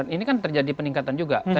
ini kan terjadi peningkatan juga